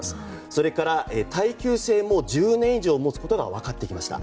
それから、耐久性も１０年以上持つことが分かってきました。